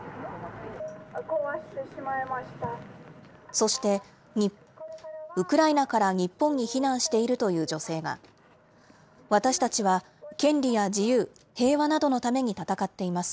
そして、ウクライナから日本に避難しているという女性が、私たちは権利や自由、平和などのために戦っています。